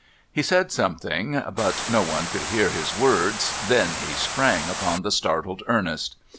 He said something, but no one could hear his words; then he sprang upon the startled Ernest.